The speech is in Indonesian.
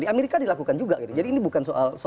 di amerika dilakukan juga gitu jadi ini bukan soal